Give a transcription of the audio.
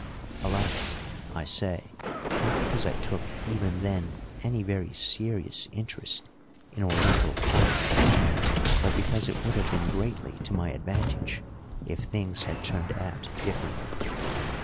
Alas, I say, not because I took, even then, any very serious interest in Oriental politics, but because it would have been greatly to my advantage if things had turned out differently.